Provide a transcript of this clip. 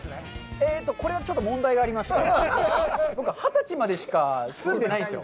ええっと、これは問題がありまして僕、二十までして住んでないんですよ。